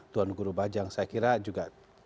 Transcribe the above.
tuan guru bajang saya kira juga